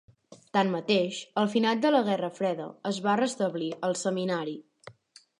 Tanmateix, al final de la Guerra Freda, es va restablir el seminari.